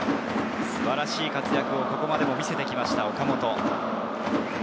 素晴らしい活躍をここまでも見せて来ました、岡本。